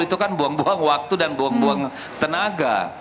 itu kan buang buang waktu dan buang buang tenaga